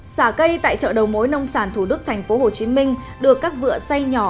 xả cây tại chợ đầu mối nông sản thủ đức tp hcm được các vựa xây nhỏ